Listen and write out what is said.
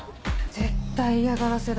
絶対嫌がらせだ。